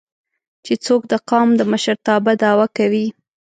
چې څوک د قام د مشرتابه دعوه کوي